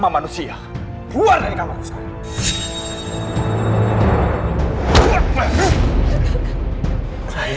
manusia keluar dari kamar ku sekarang